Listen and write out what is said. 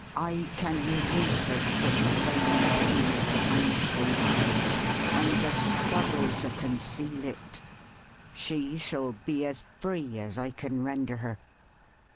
I can release her from the daily pain of an unequal marriage, and the struggle to conceal it; She shall be as free as I can render her."